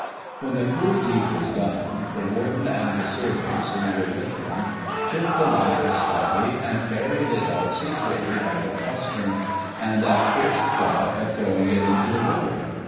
When the cruel deed was done, the Warden and the servants who were with him, took the lifeless body, and carried it out secretly by the postern, and at first thought of throwing it into the river.